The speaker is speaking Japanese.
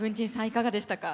いかがでしたか？